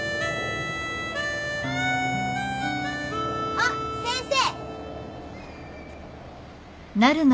あっ先生！